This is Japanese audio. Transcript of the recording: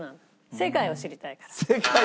「世界を知りたいから」。